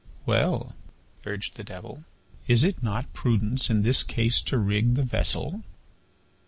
"Well," urged the Devil, "is it not prudence in this case to rig the vessel?"